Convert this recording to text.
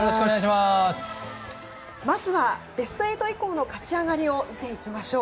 まずはベスト８以降の勝ち上がりを見ていきましょう。